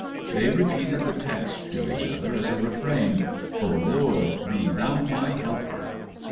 They repeated the text to each other as a refrain: 'O Lord, be thou my helper!